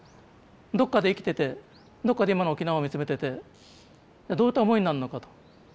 どっかで生きててどっかで今の沖縄を見つめててどういった思いになるのかと。